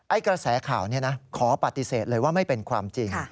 กระแสข่าวนี้นะขอปฏิเสธเลยว่าไม่เป็นความจริง